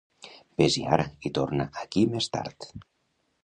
Ves-hi ara i torna aquí més tard.